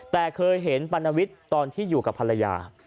แต่เคยเห็นปรณวิทย์ตอนที่อยู่กับภรรยา